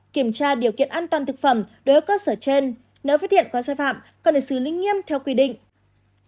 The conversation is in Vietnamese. kiểm tra điều kiện an toàn thực phẩm đối với cơ sở trên nếu phát hiện có sai phạm còn đề xứ linh nghiêm theo quy định